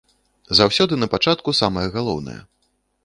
Заўсёды напачатку самае галоўнае.